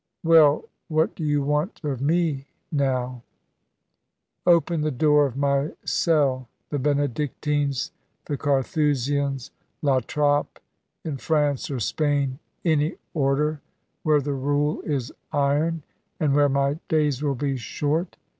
"Well, what do you want of me now?" "Open the door of my cell, the Benedictines, the Carthusians, La Trappe in France or Spain, any order where the rule is iron, and where my days will be short.